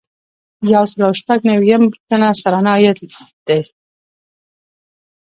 یو سل او شپږ نوي یمه پوښتنه سرانه عاید دی.